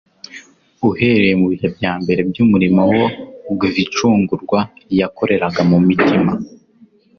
uhereye mu bihe bya mbere by'umurimo wo gvicungurwa yakoreraga mu mitima.